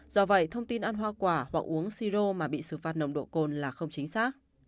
do vậy thông tin ăn hoa quả hoặc uống siro mà bị xử phạt nồng độ cồn là không chính xác